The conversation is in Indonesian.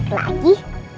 aku ketawa om baik lagi